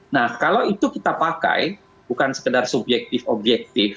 nah kalau itu kita pakai bukan sekedar subjektif objektif